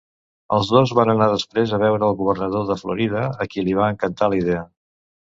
Els dos van anar després a veure el Governador de Florida, a qui li va encantar la idea.